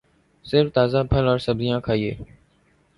صرف تازہ پھل اور سبزیاں کھائیے